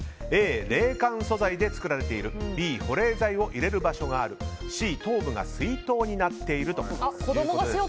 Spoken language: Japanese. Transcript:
Ａ、冷感素材で作られているＢ、保冷剤を入れる場所があるＣ、頭部が水筒になっているということです。